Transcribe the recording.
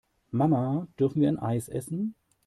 Mama, dürfen wir ein Eis essen?